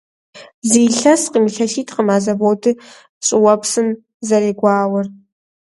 Зы илъэскъым, илъэситӀкъым а заводыр щӀыуэпсым зэрегуауэр.